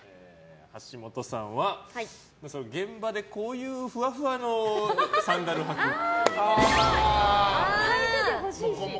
橋本さんは、現場でこういうふわふわのサンダル履くっぽい。